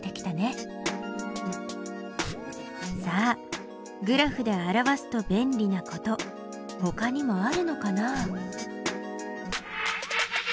さあグラフで表すと便利なことほかにもあるのかな？